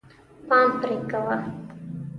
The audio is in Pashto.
پام پرې کوه.